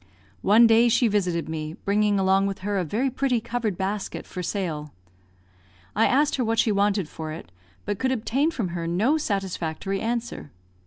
One day she visited me, bringing along with her a very pretty covered basket for sale. I asked her what she wanted for it, but could obtain from her no satisfactory answer.